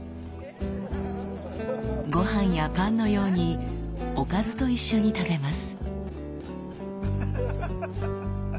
ごはんやパンのようにおかずと一緒に食べます。